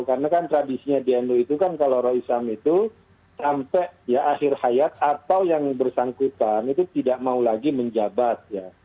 karena kan tradisinya di nu itu kan kalau roh is'am itu sampai akhir hayat atau yang bersangkutan itu tidak mau lagi menjabat